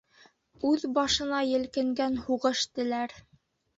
Үҙ башына елкенгән һуғыш теләр.